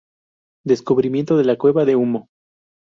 Descubrimiento de la cueva del Humo.